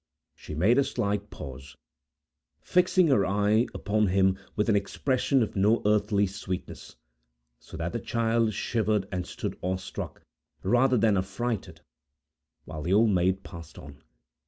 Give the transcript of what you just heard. She made a slight pause, fixing her eye upon him with an expression of no earthly sweetness, so that the child shivered and stood awe struck, rather than affrighted, while the Old Maid passed on.